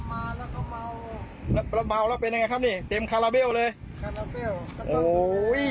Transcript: อ้าจังลำมาแล้วก็เมาแล้วเมาแล้วเป็นยังไงครับนี่เต็มคาราเบลเลย